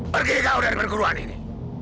pergi kau dari perguruan ini